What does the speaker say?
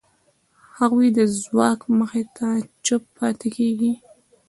هغوی د ځواک مخې ته چوپ پاتې کېږي.